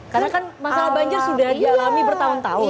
karena kan masalah banjir sudah dialami bertahun tahun